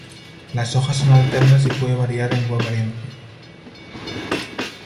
Las hojas son alternas y puede variar en su apariencia.